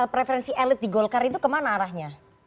preferensi elit di golkar itu kemana arahnya